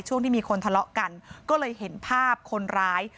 ที่มีคนทะเลาะกันก็เลยเห็นภาพคนร้าย